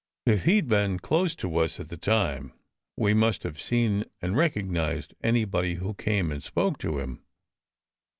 "If he d been close to us at the time, we must have seen and recognized anybody who came and spoke to him.